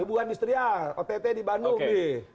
hubungan industrial ott di bandung